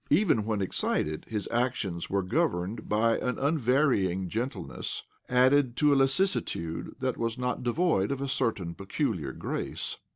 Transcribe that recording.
Even when excited, his OBLOMOV 9 actions were governed by an unvarying gentleness, added to a lassitude that was not devoid of a certain peculiar grace.